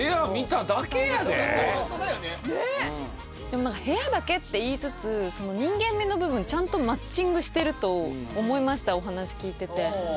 でも何か部屋だけって言いつつその人間味の部分ちゃんとマッチングしてると思いましたお話聞いてて。